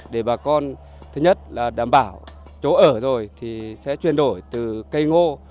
để bà con thứ nhất là đảm bảo chỗ ở rồi thì sẽ chuyển đổi từ cây ngô